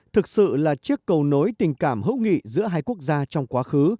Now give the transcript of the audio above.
thực sự là chiếc cầu nối tình cảm hữu nghị giữa hai quốc gia trong quá khứ